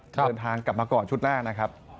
เดินทางกลับมาก่อนชุดแรกนะครับ